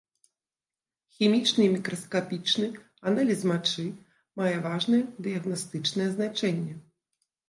Хімічны і мікраскапічны аналіз мачы мае важнае дыягнастычнае значэнне.